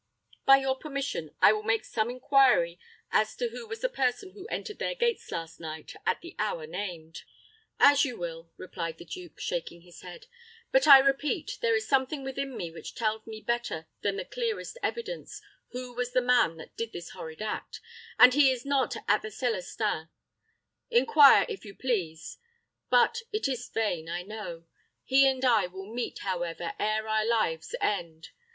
By your permission, I will make some inquiry as to who was the person who entered their gates last night at the hour named." "As you will," replied the duke, shaking his head; "but I repeat, there is something within me which tells me better than the clearest evidence, who was the man that did this horrid act; and he is not at the Celestins. Inquire, if you please; but it is vain, I know. He and I will meet, however, ere our lives end.